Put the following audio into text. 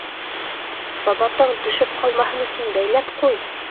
— Сабатаң төшөп ҡалмаһын өсөн бәйләп ҡуй!